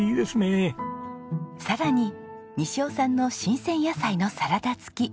さらに西尾さんの新鮮野菜のサラダ付き。